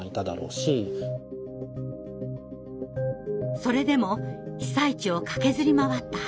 それでも被災地を駆けずり回った長谷部さん。